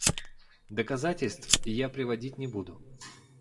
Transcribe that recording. Доказательств я приводить не буду.